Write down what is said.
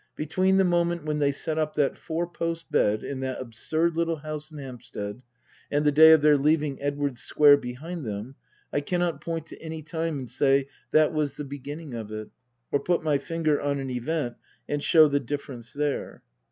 Between the moment when they set up that four post bed in that absurd little house in Hampstead and the day of their leaving Edwardes Square behind them I cannot point to any time and say, " That was the beginning of it," or put my finger on an event and show the difference there.